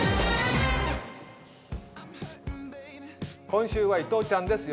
今週は伊藤ちゃんです